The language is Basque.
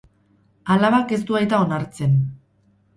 Alabak ez du aita onartzen.